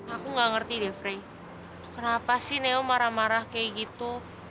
aku gak ngerti deh frey kenapa sih neo marah marah kayak gitu